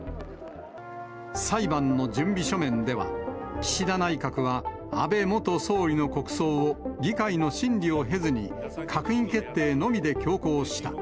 裁判の準備書面では、岸田内閣は安倍元総理の国葬を議会の審理を経ずに、閣議決定のみで強行した。